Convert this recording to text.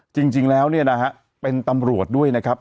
จริงแล้วเนี่ยนะฮะเป็นตำรวจด้วยนะครับ